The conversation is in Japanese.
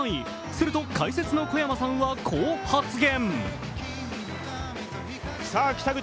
すると解説の小山さんは、こう発言。